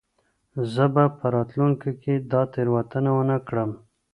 زه به په راتلونکې کې دا تېروتنه ونه کړم.